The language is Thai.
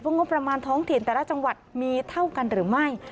งบประมาณท้องถิ่นแต่ละจังหวัดมีเท่ากันหรือไม่